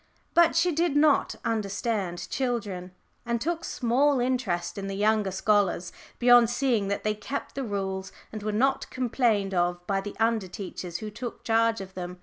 But she did not understand children, and took small interest in the younger scholars, beyond seeing that they kept the rules and were not complained of by the under teachers who took charge of them.